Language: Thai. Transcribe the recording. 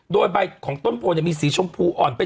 โดยใบของต้นโพสีชมพูจะมีสีชมพูอ่อนไป